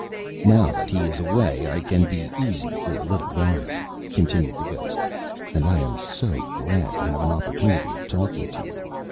"Now that he is away I can be easy for a little while," continued the ghost; "and I am so glad to have an opportunity of talking to you.